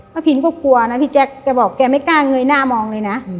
พินก็กลัวนะพี่แจ๊คแกบอกแกไม่กล้าเงยหน้ามองเลยนะ